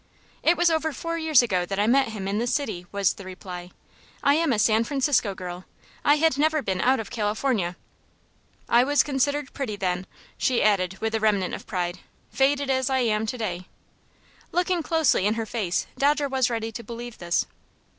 "It was over four years ago that I met him in this city," was the reply. "I am a San Francisco girl. I had never been out of California. I was considered pretty then," she added, with a remnant of pride, "faded as I am to day." Looking closely in her face, Dodger was ready to believe this.